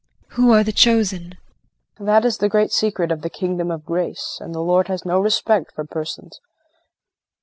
JULIE. Who are the chosen? KRISTIN. That is the great secret of the Kingdom of Grace, and the Lord has no respect for persons.